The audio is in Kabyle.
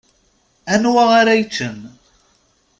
Anwa ara yeččen?